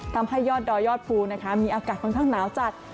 ทำให้ยอดดอยยอดภูนะคะมีอากาศค่อนข้างหนาวจัด